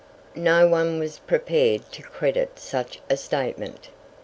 No one was prepared to credit such a statement.